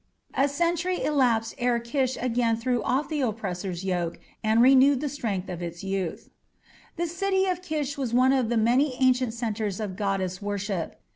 A century elapsed ere Kish again threw off the oppressor's yoke and renewed the strength of its youth. The city of Kish was one of the many ancient centres of goddess worship.